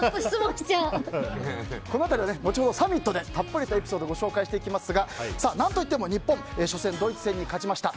この辺りは後ほどサミットでエピソードご紹介しますが何といっても日本初戦ドイツ戦に勝ちました。